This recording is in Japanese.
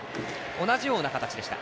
同じような形でした。